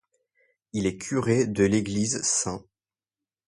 Il est curé de l’église St.